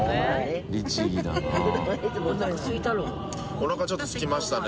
おなかちょっとすきましたね